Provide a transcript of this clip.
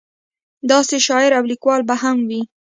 داسې شاعر او لیکوال به هم وي.